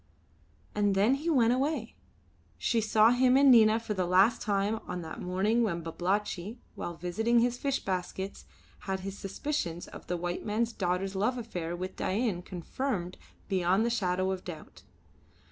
And then he went away. She saw him and Nina for the last time on that morning when Babalatchi, while visiting his fish baskets, had his suspicions of the white man's daughter's love affair with Dain confirmed beyond the shadow of doubt.